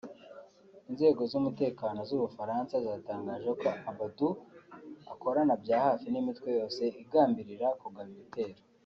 Inzego z’umutekano z’u Bufaransa zatangaje ko Abaaoud akorana bya hafi n’imitwe yose igambirira kugaba ibitero